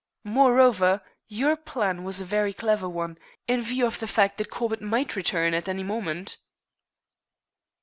Moreover, your plan was a very clever one, in view of the fact that Corbett might return at any moment."